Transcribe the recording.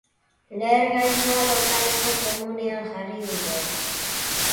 Lehergailua lokaleko komunean jarri dute.